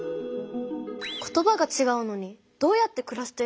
言葉がちがうのにどうやってくらしてるのかな？